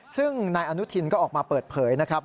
ซึ่งนายอนุทินก็ออกมาเปิดเผยนะครับ